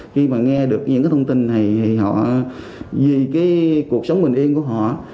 khi mà nghe được những thông tin này thì họ vì cuộc sống bình yên của họ